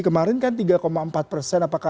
kemarin kan tiga empat persen apakah